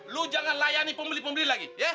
lu jangan layani pembeli pembeli lagi